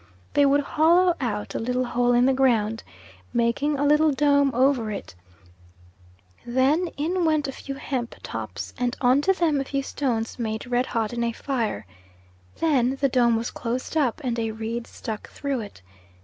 They would hollow out a little hole in the ground, making a little dome over it; then in went a few hemp tops; and on to them a few stones made red hot in a fire. Then the dome was closed up and a reed stuck through it.